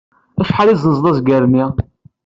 Acḥal i tezzenzeḍ azger-nni?